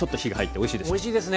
おいしいですね。